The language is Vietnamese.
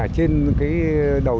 trên cái đầu